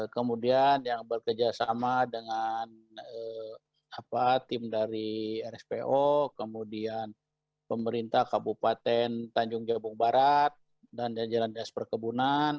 kemudian yang bekerjasama dengan tim dari rspo kemudian pemerintah kabupaten tanjung jabung barat dan jajaran dinas perkebunan